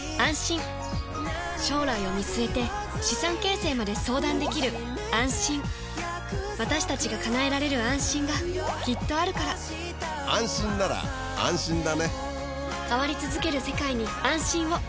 将来を見据えて資産形成まで相談できる「あんしん」私たちが叶えられる「あんしん」がきっとあるから変わりつづける世界に、「あんしん」を。